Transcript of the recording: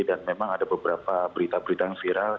dan memang ada beberapa berita berita yang viral